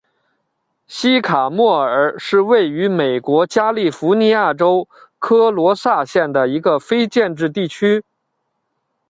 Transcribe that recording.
西卡莫尔是位于美国加利福尼亚州科卢萨县的一个非建制地区。